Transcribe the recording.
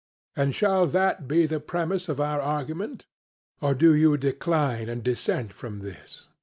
And shall that be the premiss of our argument? Or do you decline and dissent from this?